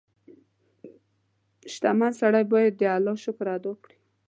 • شتمن سړی باید د الله شکر ادا کړي.